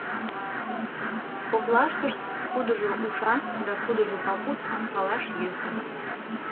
Коклаштышт кудыжо ушан да кудыжо папут — палаш йӧсӧ.